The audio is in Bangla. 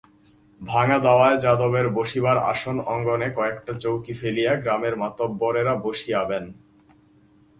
ভাঙা দাওয়ায় যাদবের বসিবার আসন অঙ্গনে কয়েকটা চৌকি ফেলিয়া গ্রামের মাতব্বরেরা বসিয়াবেন।